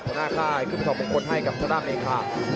ข้างหน้าข้ายขึ้นไปถอดมงคลให้กับสถานดับเนคครับ